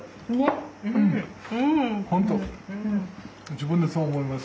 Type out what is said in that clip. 自分でそう思います。